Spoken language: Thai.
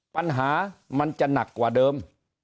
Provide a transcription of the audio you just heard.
ปัญหามันจะหนักกว่าเดิม